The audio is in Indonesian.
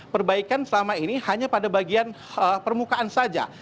perbaikan selama ini hanya pada bagian permukaan saja